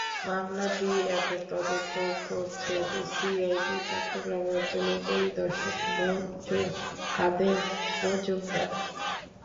মামলাটি এখন তদন্ত করছেন সিআইডি চট্টগ্রাম অঞ্চলের পরিদর্শক মনজুর কাদের মজুমদার।